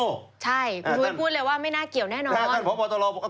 คุณพูดเลยว่าไม่น่าเกี่ยวแน่นอน